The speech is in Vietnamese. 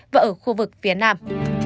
và ở khu vực phía nam